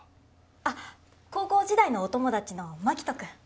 あっ高校時代のお友達のマキトくん